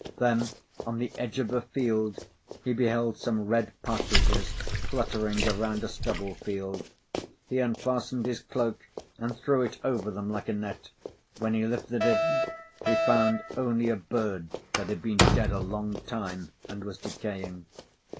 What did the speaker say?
Then, on the edge of a field, he beheld some red partridges fluttering around a stubble field. He unfastened his cloak and threw it over them like a net. When he lifted it, he found only a bird that had been dead a long time and was decaying.